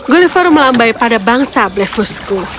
gulliver melambai pada bangsa blefusku